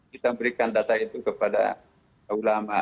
kita berikan data itu kepada ulama